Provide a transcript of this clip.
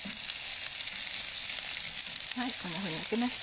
こんなふうに焼けました。